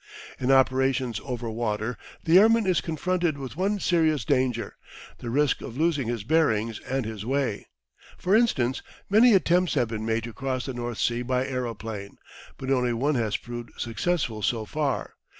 In operations over water the airman is confronted with one serious danger the risk of losing his bearings and his way. For instance, many attempts have been made to cross the North Sea by aeroplane, but only one has proved successful so far.